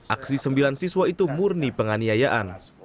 aksi sembilan siswa itu murni penganiayaan